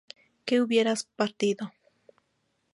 que hubieras partido